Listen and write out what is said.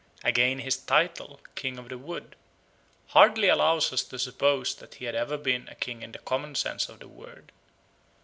Again his title, King of the Wood, hardly allows us to suppose that he had ever been a king in the common sense of the word.